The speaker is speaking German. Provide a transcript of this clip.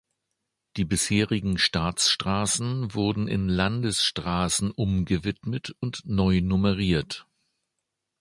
Die bisherigen Staatsstraßen wurden in Landesstraßen umgewidmet und neu nummeriert.